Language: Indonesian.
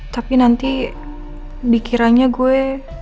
tapi nanti dikiranya gue